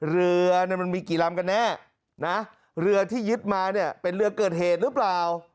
เรือมันมีกี่ลำกันแน่นะเรือที่ยึดมาเนี่ยเป็นเรือเกิดเหตุหรือเปล่า